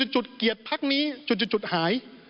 จุดเกียรติพักนี้จุดหาย